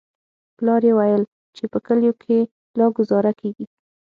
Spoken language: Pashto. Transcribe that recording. پلار يې ويل چې په کليو کښې لا گوزاره کېږي.